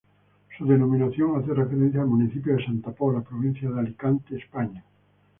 Su denominación hace referencia al municipio de Santa Pola, provincia de Alicante, España.